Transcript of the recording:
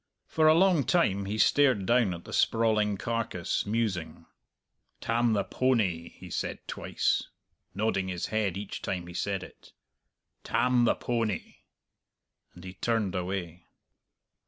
For a long time he stared down at the sprawling carcass, musing. "Tam the powney," he said twice, nodding his head each time he said it; "Tam the powney," and he turned away.